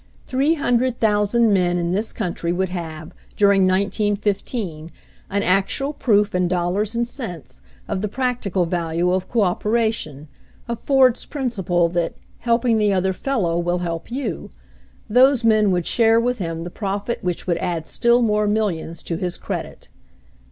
Three hundred thousand men in this country would have, during 191 5, an actual proof in dol lars and cents of the practical value of coopera tion, of Ford's principle that "helping the other fellow will help you." Those men would share with him the profit which would add still more millions to his credit.